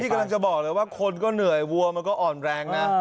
กำลังจะบอกเลยว่าคนก็เหนื่อยวัวมันก็อ่อนแรงนะ